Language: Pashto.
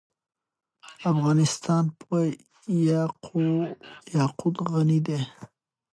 افغانستان په یاقوت غني دی.